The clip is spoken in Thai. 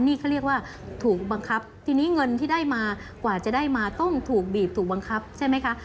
นี่เขาเรียกว่าถูกบังคับทีนี้เงินที่ได้มากว่าจะได้มาต้องถูกบีบถูกบังคับใช่ไหมคะ